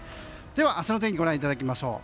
では、明日の天気をご覧いただきましょう。